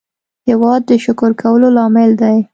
هېواد د شکر کولو لامل دی.